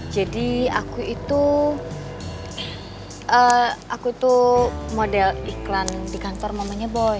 jadi aku itu eh aku itu model iklan di kantor mamanya boy